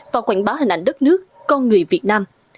và quảng bá hình ảnh đất nước con người việt nam